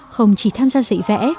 không chỉ tham gia dạy vẽ